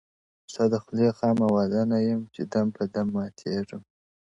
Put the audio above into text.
ستا د خولې خامه وعده نه یم چي دم په دم ماتېږم,